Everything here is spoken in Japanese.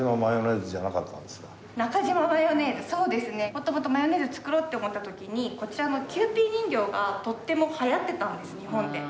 元々マヨネーズ作ろうって思った時にこちらのキユーピー人形がとても流行ってたんです日本で。